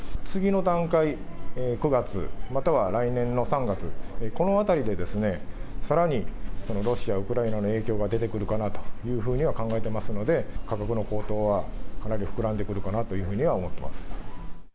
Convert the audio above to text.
次の段階、９月、または来年の３月、このあたりさらにロシア、ウクライナの影響が出てくるかなというふうには考えてますので、価格の高騰はかなり膨らんでくるかなというふうには思ってます。